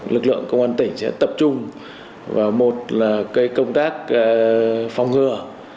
lực lượng công an tỉnh sẽ tập trung vào một là công tác phòng ngừa